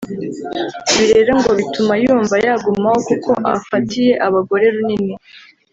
Ibi rero ngo bituma yumva yagumaho kuko afatiye abagore runini